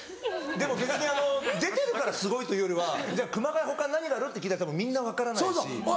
でも別にあの出てるからすごいというよりは熊谷他何がある？って聞いたらたぶんみんな分からないし。